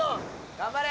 頑張れ！